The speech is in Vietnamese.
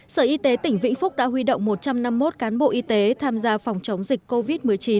sở y tế tỉnh vĩnh phúc đã huy động một trăm năm mươi một cán bộ y tế tham gia phòng chống dịch covid một mươi chín